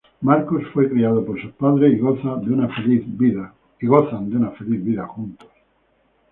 Marcus fue criado por sus padres, y gozan de una feliz vida juntos.